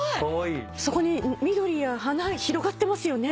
そこに緑や花広がってますよね。